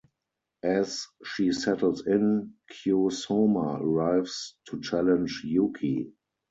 As she settles in, Kyo Sohma arrives to challenge Yuki.